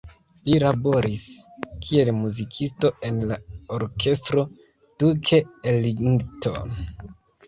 Li laboris kiel muzikisto en la Orkestro Duke Ellington.